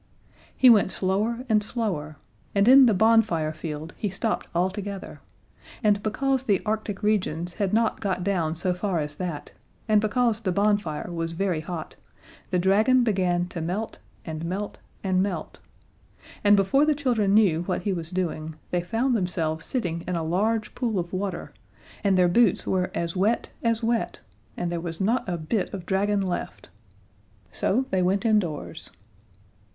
He went slower and slower, and in the bonfire field he stopped altogether, and because the Arctic regions had not got down so far as that, and because the bonfire was very hot, the dragon began to melt and melt and melt and before the children knew what he was doing they found themselves sitting in a large pool of water, and their boots were as wet as wet, and there was not a bit of dragon left! So they went indoors.